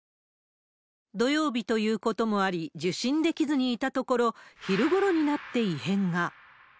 土曜日ということもあり、受診できずにいたところ、昼頃になって異変が。